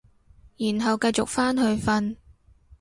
然後繼續返去瞓